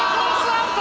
アウト！